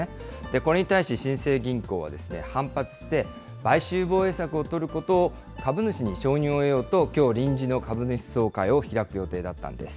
これに対し、新生銀行はですね、反発して、買収防衛策を取ることを、株主に承認を得ようと、きょう、臨時の株主総会を開く予定だったんです。